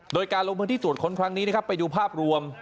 โดยการลงพื้นที่ตรวจค้นครั้งนี้นะครับไปดูภาพรวม